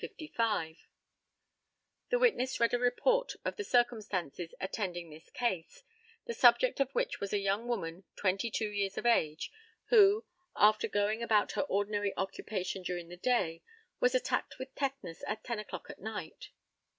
[The witness read a report of the circumstances attending this case, the subject of which was a young woman twenty two years of age, who, after going about her ordinary occupation during the day, was attacked with tetanus at ten o'clock at night.